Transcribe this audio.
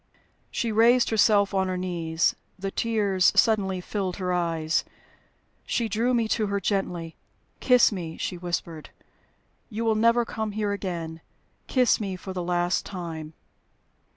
She raised herself on her knees; the tears suddenly filled her eyes. She drew me to her gently. "Kiss me," she whispered. "You will never come here again. Kiss me for the last time."